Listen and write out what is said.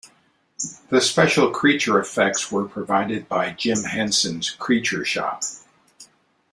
The special creature effects were provided by Jim Henson's Creature Shop.